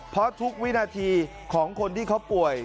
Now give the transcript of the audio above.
เพราะทุกวินาทีของคนที่เขาป่วย